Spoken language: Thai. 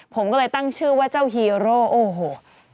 ผมก็เลยตั้งชื่อว่าเจ้าฮีโร่โอ้โห